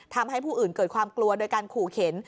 ทำให้ผู้อื่นเกิดความกลัวโดยการขู่เข็น